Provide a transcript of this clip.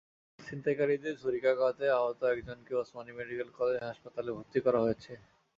ছিনতাইকারীদের ছুরিকাঘাতে আহত একজনকে ওসমানী মেডিকেল কলেজ হাসপাতালে ভর্তি করা হয়েছে।